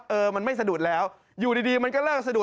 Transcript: เออมันไม่สะดุดแล้วอยู่ดีมันก็เลิกสะดุด